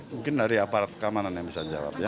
mungkin dari aparat keamanan yang bisa jawab ya